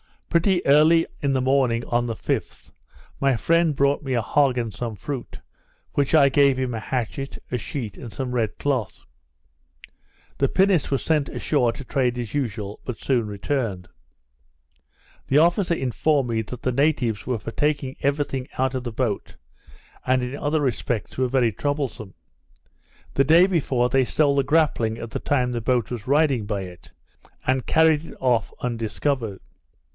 Pretty early in the morning on the 5th, my friend brought me a hog and some fruit; for which I gave him a hatchet, a sheet, and some red cloth. The pinnace was sent ashore to trade as usual, but soon returned. The officer informed me that the natives were for taking every thing out of the boat, and, in other respects, were very troublesome. The day before, they stole the grapling at the time the boat was riding by it, and carried it off undiscovered.